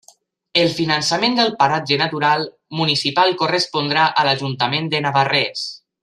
El finançament del paratge natural municipal correspondrà a l'Ajuntament de Navarrés.